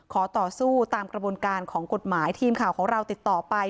ขอต่อสู้ตามกระบวนการของกฎหมายทีมข่าวของเราติดต่อไป